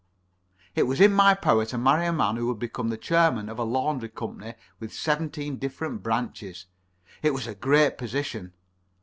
It was in my power to marry a man who would become the chairman of a Laundry Company with seventeen different branches. It was a great position.